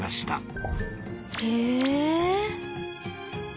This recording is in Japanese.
へえ。